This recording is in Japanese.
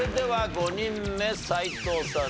５人目斎藤さん